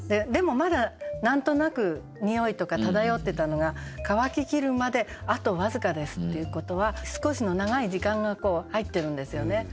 でもまだ何となくにおいとか漂ってたのが「乾き切るまであとわずかです」っていうことは少しの長い時間がこう入ってるんですよね。